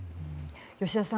吉田さん